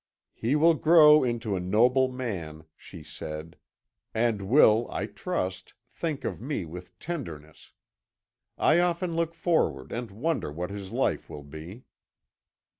"'He will grow into a noble man,' she said, 'and will, I trust, think of me with tenderness. I often look forward and wonder what his life will be.'